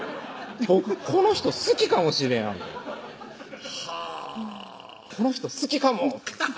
僕この人好きかもしれやんはぁこの人好きかも！